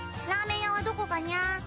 ラーメン屋はどこかにゃ？